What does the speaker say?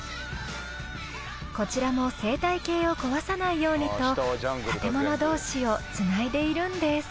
こちらも生態系を壊さないようにと建物同士をつないでいるんです。